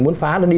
muốn phá nó đi